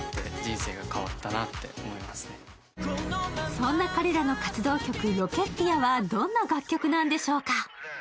そんな彼らの活動曲「Ｒｏｃｋｅｔｅｅｒ」はどんな楽曲なんでしょうか。